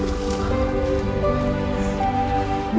perang tak buat